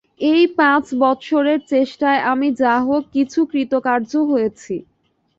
এই পাঁচ বৎসরের চেষ্টায় আমি যা হোক কিছু কৃতকার্য হয়েছি।